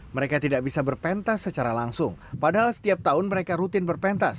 mereka tidak bisa berpentas secara langsung padahal setiap tahun mereka rutin berpentas